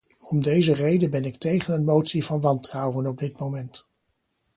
Om deze reden ben ik tegen een motie van wantrouwen op dit moment.